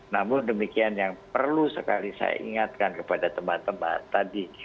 namun demikian yang perlu sekali saya ingatkan kepada teman teman tadi